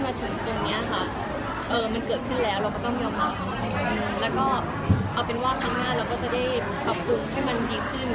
ให้ปรับปรุงให้มันดีขึ้นให้หนูเองอธิษฐาน